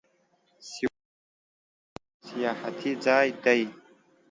سوات یو مشهور سیاحتي ځای دی.